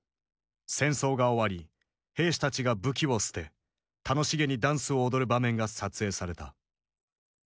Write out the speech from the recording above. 戦争が終わり兵士たちが武器を捨て楽しげにダンスを踊る場面が撮影された。